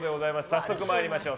早速、参りましょう。